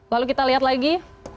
lalu kita lihat lagi